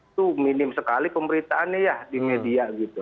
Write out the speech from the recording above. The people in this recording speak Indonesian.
itu minim sekali pemberitaannya ya di media gitu